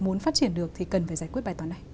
muốn phát triển được thì cần phải giải quyết bài toán này